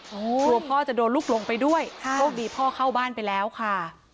กลัวพ่อจะโดนลูกหลงไปด้วยโชคดีพ่อเข้าบ้านไปแล้วค่ะ